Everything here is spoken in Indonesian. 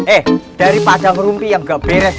eh daripada merumpi yang gak beres